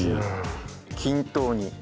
均等に。